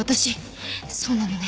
そうなのね。